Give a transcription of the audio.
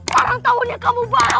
barang taunya kamu bawa